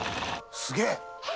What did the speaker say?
すげえ。